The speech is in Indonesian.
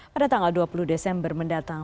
pada tanggal dua puluh desember mendatang